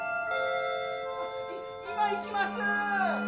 今行きますー！